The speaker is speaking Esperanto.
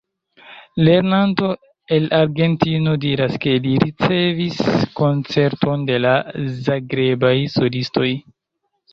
Lernanto el Argentino diras, ke li ricevis koncerton de la Zagrebaj solistoj.